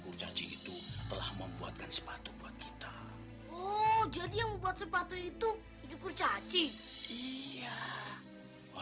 kurcaci itu telah membuatkan sepatu buat kita oh jadi yang membuat sepatu itu kurcaci iya